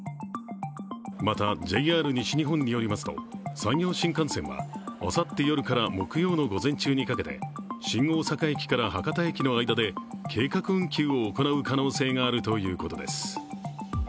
またＪＲ西日本によりますと山陽新幹線はあさって夜から木曜の午前中にかけて新大阪駅から博多駅の間で計画運休を行う可能性があるということです。